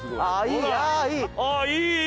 あいい！